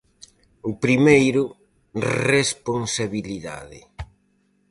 O primeiro, responsabilidade.